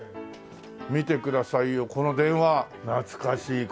見てくださいよこの電話懐かしいこれで。